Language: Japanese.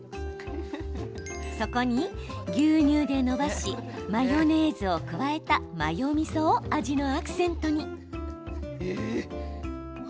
そこに、牛乳でのばしマヨネーズを加えたマヨみそを味のアクセントに。